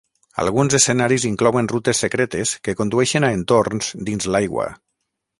Alguns escenaris inclouen rutes secretes que condueixen a entorns dins l'aigua.